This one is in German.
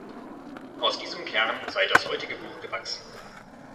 Aus diesem Kern sei das heutige Buch gewachsen.